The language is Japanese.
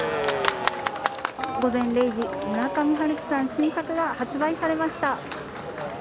午前０時、村上春樹さん新作が発売されました。